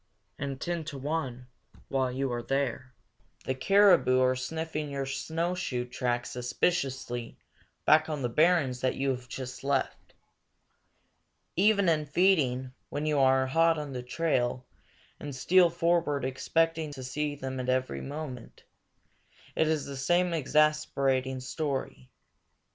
And, ten to one, while you are there, the caribou are sniffing your snowshoe track suspiciously back on the barrens that you have just left. Even in feeding, when you are hot on their trail and steal forward expecting to see them every moment, it is the same exasperating story.